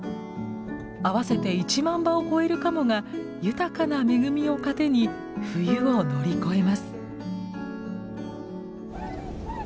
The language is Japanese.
合わせて１万羽を超えるカモが豊かな恵みを糧に冬を乗り越えます。